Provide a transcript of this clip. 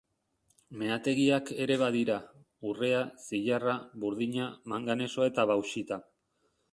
Meategiak ere badira: urrea, zilarra, burdina, manganesoa eta bauxita.